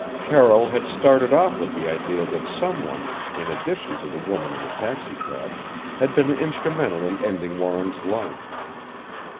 Carroll had started off with the idea that someone, in addition to the woman in the taxi cab, had been instrumental in ending Warren's life.